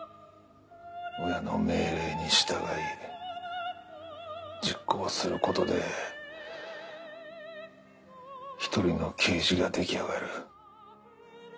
親の命令に従い実行することで１人の刑事が出来上がる。